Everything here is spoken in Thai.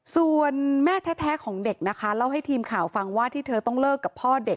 ส่วนแม่แท้ของเด็กนะคะเล่าให้ทีมข่าวฟังว่าที่เธอต้องเลิกกับพ่อเด็ก